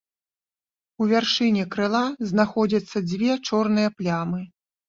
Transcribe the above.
У вяршыні крыла знаходзяцца дзве чорныя плямы.